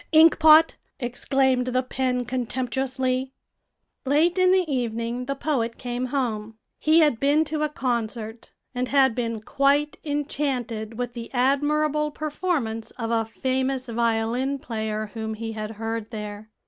"Inkpot!" exclaimed the pen contemptuously. Late in the evening the poet came home. He had been to a concert, and had been quite enchanted with the admirable performance of a famous violin player whom he had heard there.